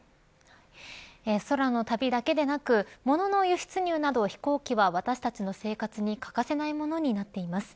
空の旅だけでなく物の輸出入など飛行機は私たちの生活に欠かせないものとなっています。